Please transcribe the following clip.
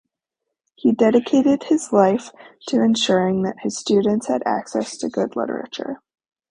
He dedicated his life to ensuring that his students had access to good literature.